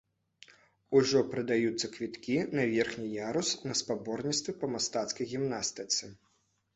Ужо прадаюцца квіткі на верхні ярус на спаборніцтвы па мастацкай гімнастыцы.